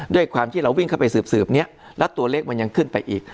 ด้วยความที่เราวิ่งเข้าไปสืบเนี่ยแล้วตัวเลขมันยังขึ้นไปอีก